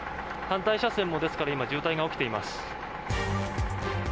反対車線も、ですから今、渋滞が起きています。